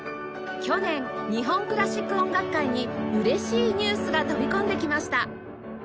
去年日本クラシック音楽界に嬉しいニュースが飛び込んできました！